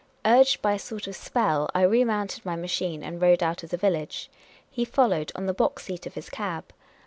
Urged by a sort of spell, I re mounted my machine and rode out of the village. He followed, on the box seat of his cab.